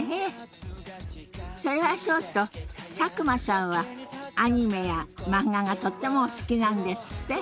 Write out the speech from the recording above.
それはそうと佐久間さんはアニメや漫画がとってもお好きなんですって？